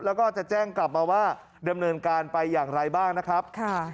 แล้วก็จะแจ้งกลับมาว่าดำเนินการไปอย่างไรบ้างนะครับ